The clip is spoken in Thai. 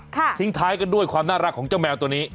ทิ้งท้ายกันด้วยความน่ารักของเจ้าแมวตัวนี้